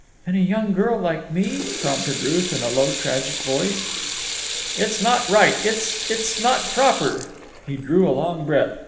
"In a young girl like me," prompted Ruth in a low, tragic voice. "It—it's not right. It—it's not proper." He drew a long breath.